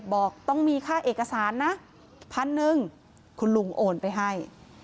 บอกต้องมีค่าเอกสารนะพันหนึ่งคุณลุงโอนไปให้